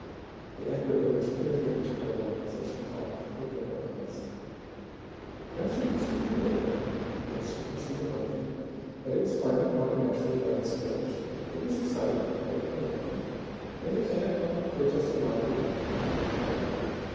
The acrid odors penetrated to her lungs, and she coughed, opening her eyes. Now she could see clearly again. Yes, she could see a monkey, and it was climbing, quite naturally about its cage; it was excited, but a monkey. And the cat, while protesting mightily, acted like a cat.